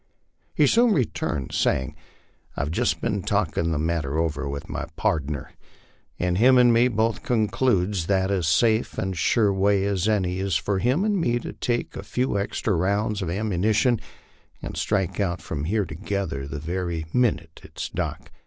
He soon returned saying, "I've just been talkin' the matter over with my pardner, and him and me both concludes that as safe and sure a way as any is for him and me to take a few extra rounds of ammunition and strike out from here together the very minnit it's dark.